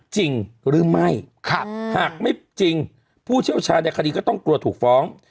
จริงหรือไม่หากไม่จริงผู้เชี่ยวชาญในคดีก็ต้องกลัวถูกฟ้อง